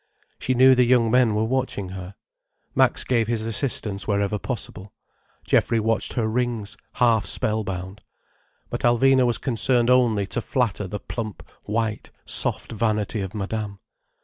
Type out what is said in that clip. She knew the young men were watching her. Max gave his assistance wherever possible. Geoffrey watched her rings, half spell bound. But Alvina was concerned only to flatter the plump, white, soft vanity of Madame.